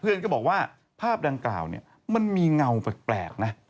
ก็บอกว่าภาพดังกล่าวเนี่ยมันมีเงาแปลกนะ